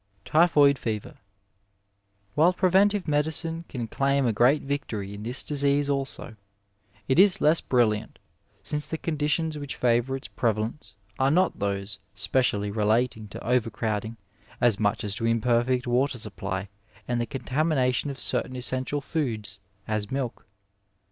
Typhoid Fever, — ^While preventive medicine can claim a great victory in this disease also, it is less brilliant, since the conditions which favour its prevalence are not those specially relating to overcrowding as much as to imperfect water supply and the contamination of certain essential foods, as milk.